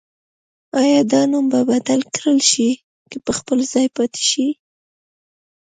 آیا دا نوم به بدل کړل شي که په خپل ځای پاتې شي؟